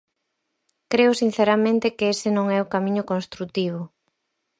Creo sinceramente que ese non é o camiño construtivo.